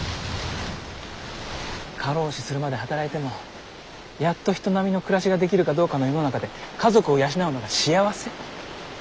過労死するまで働いてもやっと人並みの暮らしができるかどうかの世の中で家族を養うのが幸せ？